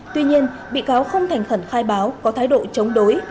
tuy nhiên bị cáo không thành khẩn khai báo có thái độ chống đối